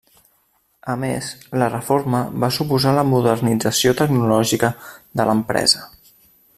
A més, la reforma va suposar la modernització tecnològica de l'empresa.